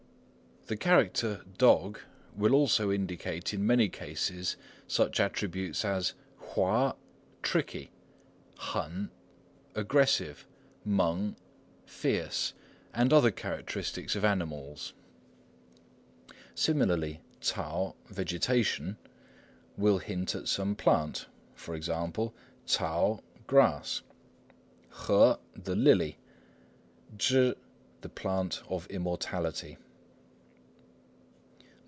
The character 犭 will also indicate in many cases such attributes as 猾 hua "tricky," 狠 hên, "aggressive," 猛 mêng "fierce," and other characteristics of animals. Similarly, 艹 ts'ao "vegetation" will hint at some plant; e.g. 草 ts'ao "grass," 荷 ho "the lily," 芝 chih "the plant of immortality."